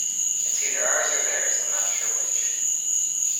It's either ours or theirs, I'm not sure which.